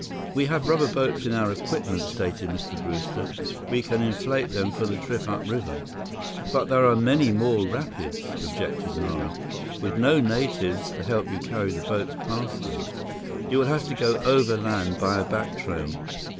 "We have rubber boats in our equipment," stated Mr. Brewster. "We can inflate them for the trip upriver." "But there are many more rapids," objected Nara, "with no natives to help you carry the boats past them. You will have to go overland by a back trail."